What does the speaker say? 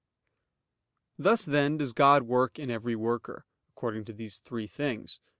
Thus then does God work in every worker, according to these three things.